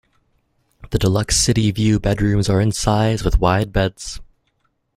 The Deluxe City View bedrooms are in size with wide beds.